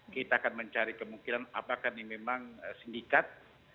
kita akan mencari kemungkinan apakah ini memang sindikat